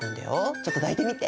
ちょっと抱いてみて。